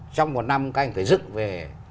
trong một năm các anh phải dựng về